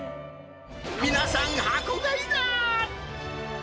皆さん、箱買いだ。